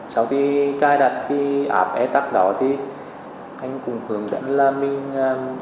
sau khi cài đặt cái ảp etab đó thì anh cũng hướng dẫn là mình đăng nhập vào cái ảp tổng cục etab đó